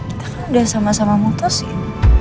kita kan udah sama sama mutus ya